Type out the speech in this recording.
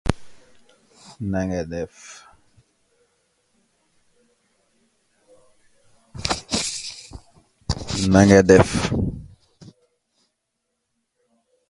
Weeks petitioned against the police for the return of his private possessions.